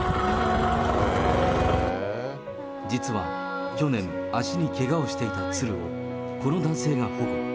実は、去年、足にけがをしていた鶴をこの男性が保護。